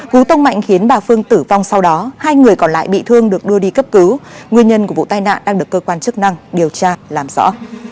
cú tông mạnh khiến bà phương tử vong sau đó hai người còn lại bị thương được đưa đi cấp cứu nguyên nhân của vụ tai nạn đang được cơ quan chức năng điều tra làm rõ